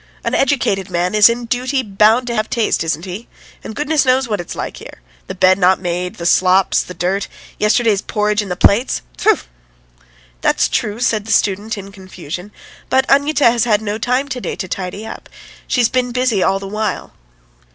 ... An educated man is in duty bound to have taste, isn't he? And goodness knows what it's like here! The bed not made, the slops, the dirt ... yesterday's porridge in the plates. .. Tfoo!" "That's true," said the student in confusion; "but Anyuta has had no time to day to tidy up; she's been busy all the while."